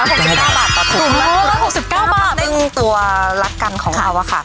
ตั้งตัวรักกันของเราอ่ะค่ะ